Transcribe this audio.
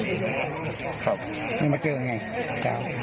ที่รู้มาเจอกันดีเหนือแค่ท้าว